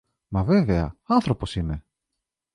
Μα βέβαια, άνθρωπος είναι!